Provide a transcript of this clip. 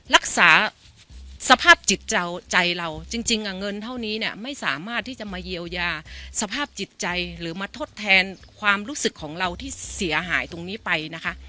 รักษาสภาพจิตใจเราจริงเงินเท่านี้เนี่ยไม่สามารถที่จะมาเยียวยาสภาพจิตใจหรือมาทดแทนความรู้สึกของเราที่เสียหายตรงนี้ไปนะคะ